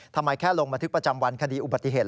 ทำไมแค่ลงบันทึกประจำวันคดีอุบัติเหตุ